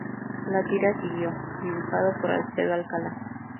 La tira siguió, dibujado por Alfredo Alcala.